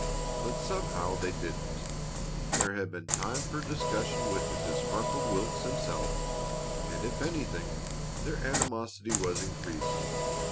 But somehow they didn't. There had been time for discussion with the disgruntled Wilks himself, and if anything, their animosity was increased.